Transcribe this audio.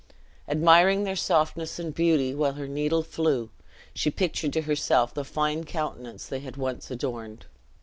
Admiring their softness and beauty, while her needle flew, she pictured to herself the fine countenance they had once adorned.